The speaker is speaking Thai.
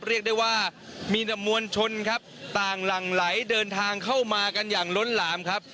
เรียกได้ว่ามีแต่มวลชนครับต่างหลั่งไหลเดินทางเข้ามากันอย่างล้นหลามครับ